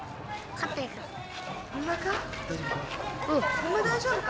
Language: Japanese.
ホンマ大丈夫か？